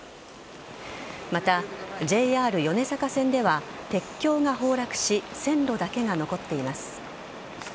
また、ＪＲ米坂線では鉄橋が崩落し線路だけが残っています。